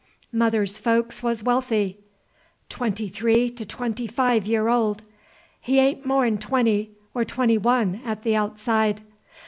"Mother's folks was wealthy." "Twenty three to twenty five year old." "He a'n't more 'n twenty, or twenty one at the outside."